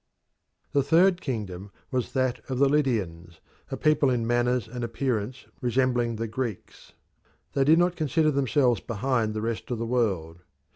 The third kingdom was that of the Lydians, a people in manners and appearance resembling the Greeks. They did not consider themselves behind the rest of the world.